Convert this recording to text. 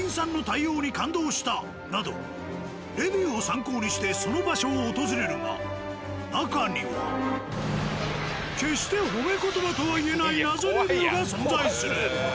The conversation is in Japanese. レビューを参考にしてその場所を訪れるが中には決して褒め言葉とは言えない謎レビューが存在する。